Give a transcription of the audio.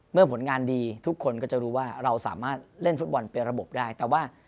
ผลงานดีทุกคนก็จะรู้ว่าเราสามารถเล่นฟุตบอลเป็นระบบได้แต่ว่า